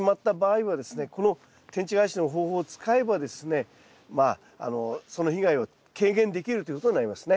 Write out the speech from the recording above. この天地返しの方法を使えばですねまあその被害は軽減できるということになりますね。